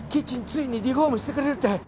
ついにリフォームしてくれるって。